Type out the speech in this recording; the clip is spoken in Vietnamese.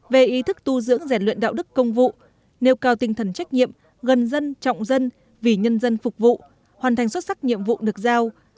về ý thức tu dưỡng rèn luyện đạo đức công vụ nêu cao tinh thần trách nhiệm gần dân trọng dân vì nhân dân phục vụ hoàn thành xuất sắc nhiệm vụ được giao